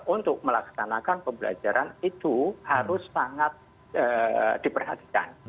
untuk melaksanakan pembelajaran itu harus sangat diperhatikan